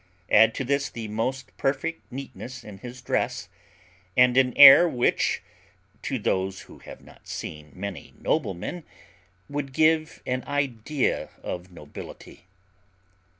Add to this the most perfect neatness in his dress, and an air which, to those who have not seen many noblemen, would give an idea of nobility.